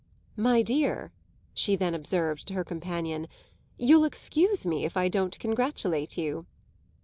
"My dear," she then observed to her companion, "you'll excuse me if I don't congratulate you!"